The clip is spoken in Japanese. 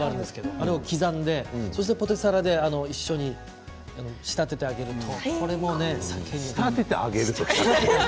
あれを刻んでポテサラで一緒に仕立ててあげるとこれもお酒に合う。